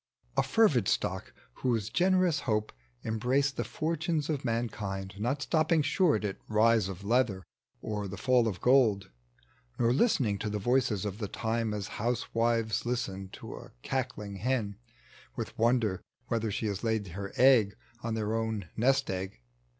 A fervid stock, whose generous hope embraced The fortunes of manlcind, not stopping short At rise of leather, or the fall of gold. Nor listening to the voices of the time As housewives listen to a cackling hen, With wonder whether she has laid her egg .tec bv Google 176 A MINOR PEOPHET. On their own nest egg.